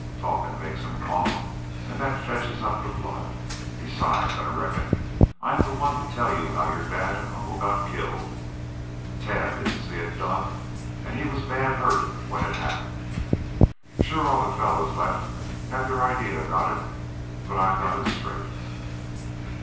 Talkin' makes him cough an' that fetches up the blood.... Besides, I reckon I'm the one to tell y'u how your dad an' uncle got killed. Tad didn't see it done, an' he was bad hurt when it happened. Shore all the fellars left have their idee aboot it. But I've got it straight."